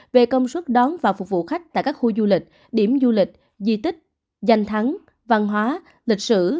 về công suất đón và phục vụ khách tại các khu du lịch điểm du lịch di tích danh thắng văn hóa lịch sử